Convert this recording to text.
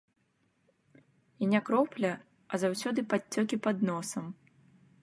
І не кропля, а заўсёды падцёкі пад носам.